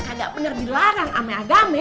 kagak bener dilarang ame agame